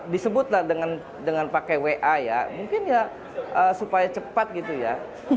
disebutlah dengan pakai wa ya mungkin ya supaya cepat gitu ya